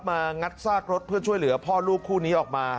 งัดซากรถเพื่อช่วยเหลือพ่อลูกคู่นี้ออกมา